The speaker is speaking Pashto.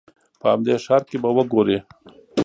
په همدې ښار کې به وګورې.